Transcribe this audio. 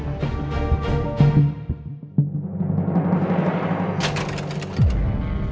hintung pa kita selesai lo